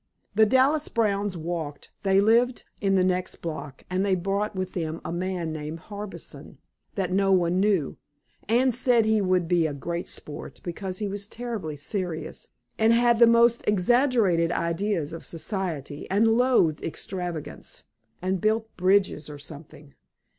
The Dallas Browns walked; they lived in the next block. And they brought with them a man named Harbison, that no one knew. Anne said he would be great sport, because he was terribly serious, and had the most exaggerated ideas of society, and loathed extravagance, and built bridges or something.